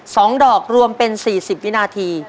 สองดอกรวมเป็น๔๐วินาที